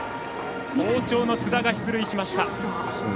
好調の津田が出塁しました。